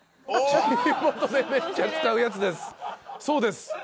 そうです。